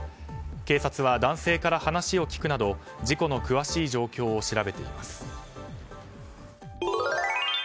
警察は男性から話を聞くなど事故の詳しい状況を調べています。